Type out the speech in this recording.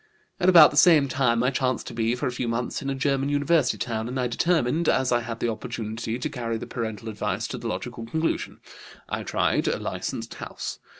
"At about the same time I chanced to be, for a few months, in a German university town, and I determined, as I had the opportunity, to carry the parental advice to the logical conclusion. I tried a licensed house.